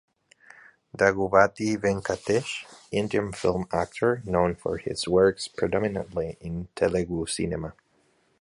Daggubati Venkatesh - Indian film actor known for his works predominantly in Telugu cinema.